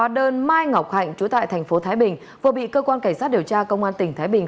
hóa đơn mai ngọc hạnh trú tại tp thái bình vừa bị cơ quan cảnh sát điều tra công an tỉnh thái bình